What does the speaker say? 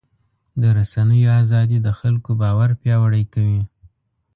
د رسنیو ازادي د خلکو باور پیاوړی کوي.